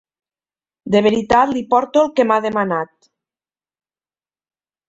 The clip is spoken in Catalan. De veritat li porto el que m'ha demanat.